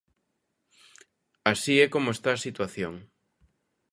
Así é como está a situación.